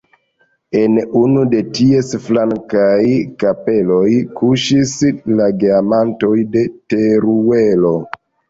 En unu de ties flankaj kapeloj kuŝis la Geamantoj de Teruelo.